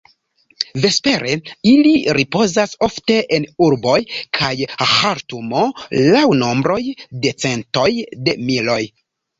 Vespere ili ripozas, ofte en urboj kiaj Ĥartumo, laŭ nombroj de centoj de miloj.